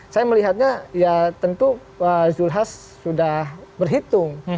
saya melihatnya ya tentu pak isu has sudah berhitung